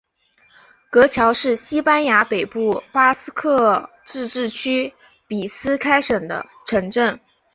格乔是西班牙北部巴斯克自治区比斯开省的城镇。